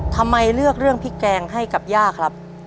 ทำไมเลือกเรื่องพริกแกงให้กับย่าครับ